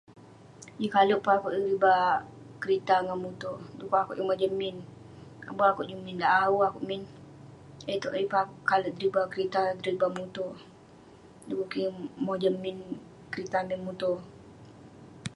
Yeng kalek peh akouk deriba kerita ngan muto, du'kuk akouk yeng mojam min, abu akouk jun min dak..awu..akouk min, da itouk yeng pun akouk kalek deriba kerita, deriba muto..du'kuk kik yeng mojam min kerita min muto.